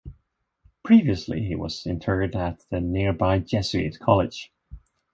Previously, he was interred at the nearby Jesuit college.